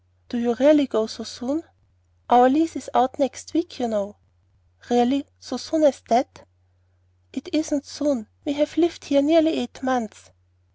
"Do you really go so soon?" "Our lease is out next week, you know." "Really; so soon as that?" "It isn't soon. We have lived here nearly eight months."